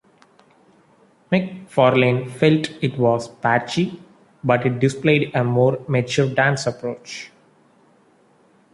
McFarlane felt it was "patchy, but it displayed a more mature dance approach".